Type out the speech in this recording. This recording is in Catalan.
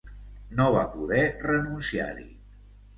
No va poder renunciar-hi.